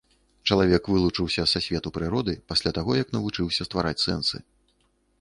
Чалавек вылучыўся са свету прыроды пасля таго, як навучыўся ствараць сэнсы.